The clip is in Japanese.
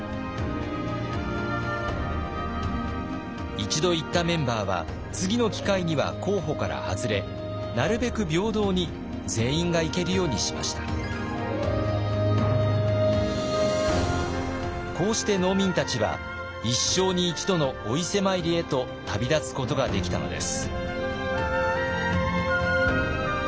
一度行ったメンバーは次の機会には候補から外れなるべくこうして農民たちは一生に一度のお伊勢参りへと旅立つことができたのです。